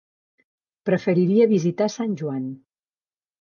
Preferiria visitar Sant Joan.